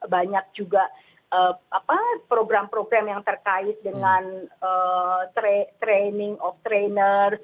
banyak juga program program yang terkait dengan training of trainer